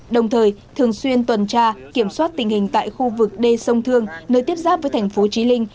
đồng thời thường xuyên tuần tra kiểm soát tình hình tại khu vực đê sông thương nơi tiếp giáp với thành phố trí linh